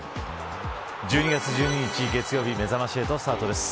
１２月１２日、月曜日めざまし８スタートです。